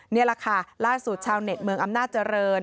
นี่แหละค่ะล่าสุดชาวเน็ตเมืองอำนาจเจริญ